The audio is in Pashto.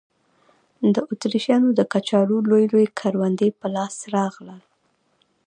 د اتریشیانو د کچالو لوی لوی کروندې په لاس راغلل.